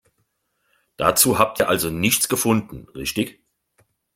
Dazu habt ihr also nichts gefunden, richtig?